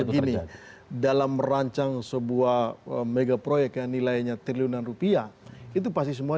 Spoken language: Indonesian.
itu terima kasih dalam merancang sebuah megaproyek nilainya triliunan rupiah itu pasti semua